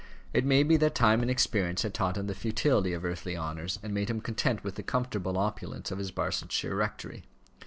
It may be that time and experience had taught him the futility of earthly honours, and made him content with the comfortable opulence of his Barsetshire rectory.